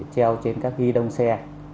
treo trên các ghi đông xe